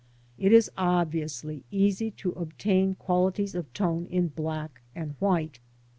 It is obviously easy to obtain qualities of tone in black and white.